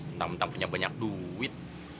entah entah punya banyak duit